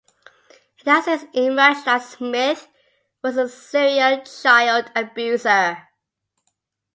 It has since emerged that Smith was a serial child abuser.